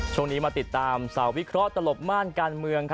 ช่วงนี้มาติดตามสาววิเคราะห์ตลบม่านการเมือง